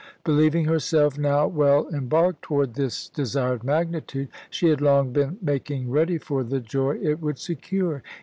Believing herself now well embarked toward this desired magnitude, she had long been making ready for the joy it would secure.